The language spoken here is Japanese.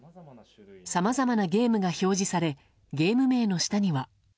さまざまなゲームが表示されゲーム名の下には。